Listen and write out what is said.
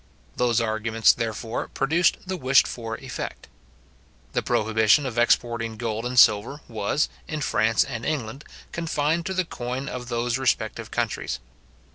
Those arguments, therefore, produced the wished for effect. The prohibition of exporting gold and silver was, in France and England, confined to the coin of those respective countries.